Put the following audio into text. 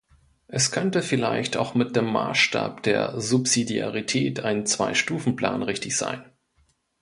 Es könnte vielleicht auch mit dem Maßstab der Subsidiarität ein Zwei-Stufen-Plan richtig sein.